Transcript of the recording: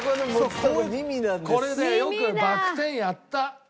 これでよくバク転やった。